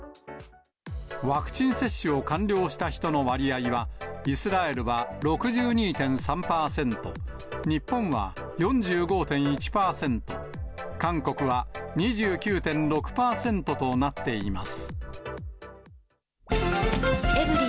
ワクチン接種を完了した人の割合は、イスラエルは６２．３％、日本は４５．１％、韓国は２９．６％となっています。